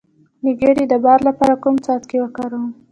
د ګیډې د باد لپاره کوم څاڅکي وکاروم؟